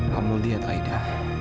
kamu lihat aida